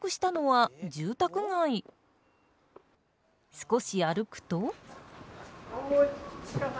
少し歩くと。